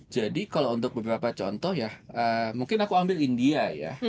jadi kalau untuk beberapa contoh ya mungkin aku ambil india ya